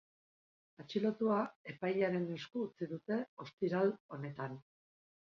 Atxilotua epailearen esku utzi dute ostiral honetan.